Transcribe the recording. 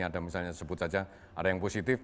ada misalnya sebut saja ada yang positif